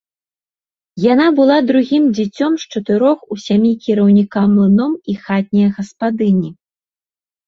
Яна была другім дзіцём з чатырох у сям'і кіраўніка млыном і хатнія гаспадыні.